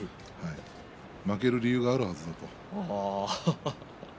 負ける理由があるはずだと。